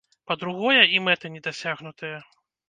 Па-другое, і мэты не дасягнутыя!